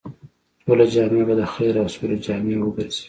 ټوله جامعه به د خير او سولې جامعه وګرځي.